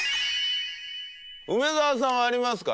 梅澤さんはありますか？